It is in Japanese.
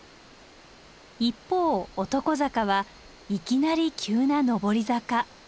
一方男坂はいきなり急な登り坂。